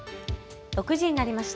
６時になりました。